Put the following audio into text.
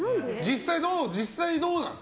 実際どうなの？